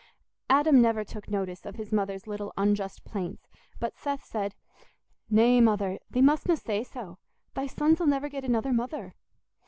Adam never took notice of his mother's little unjust plaints; but Seth said, "Nay, Mother, thee mustna say so. Thy sons 'ull never get another mother."